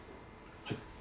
はい。